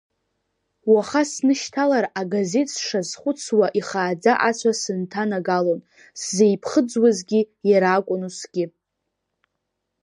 Уаха снышьҭалар агазеҭ сшазхәыцуа ихааӡа ацәа сынҭанагалон, сзеиԥхыӡуазгьы иара акәын усгьы.